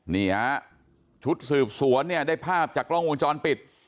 นี่ฮะชุดสืบสวนเนี่ยได้ภาพจากกล้องวงจรปิด